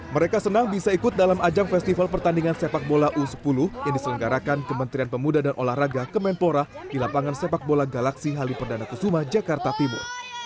mereka senang bisa ikut dalam ajang festival pertandingan sepak bola u sepuluh yang diselenggarakan kementerian pemuda dan olahraga kemenpora di lapangan sepak bola galaksi halim perdana kusuma jakarta timur